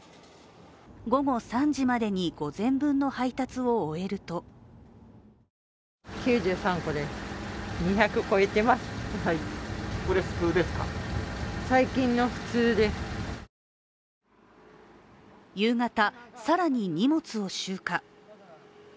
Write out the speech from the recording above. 午後３時までに午前分の配達を終えると夕方、更に荷物を集荷。